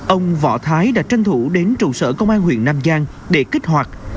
ông võ thái đã tranh thủ đến trụ sở công an huyện nam giang để kích hoạt